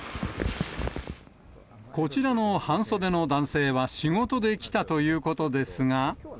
こちらの半袖の男性は仕事で来たということですが。